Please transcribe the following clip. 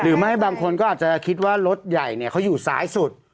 หรือไม่บางคนก็อาจจะคิดว่ารถใหญ่เขาอยู่ซ้ายสุด